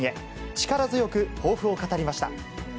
力強く抱負を語りました。